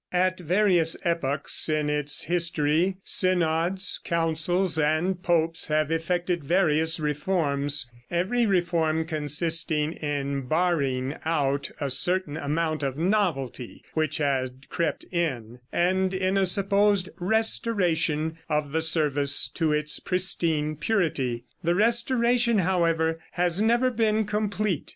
At various epochs in its history synods, councils and popes have effected various reforms, every reform consisting in barring out a certain amount of novelty which had crept in, and in a supposed "restoration" of the service to its pristine purity. The restoration, however, has never been complete.